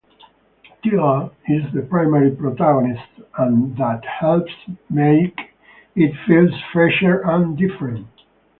Teela is the primary protagonist and that helps make it feels fresher and different.